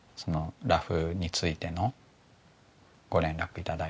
ラフについてのご連絡頂いた時に。